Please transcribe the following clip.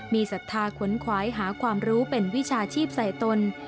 มีศรัทธาขนขวายหาความรู้เป็นวิชาชีพใส่ตน